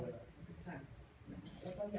ขอบคุณครับ